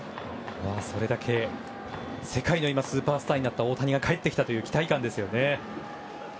それだけ世界のスーパースターになった大谷が帰ってきたという期待感ですよね。